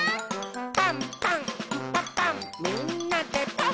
「パンパンんパパンみんなでパン！」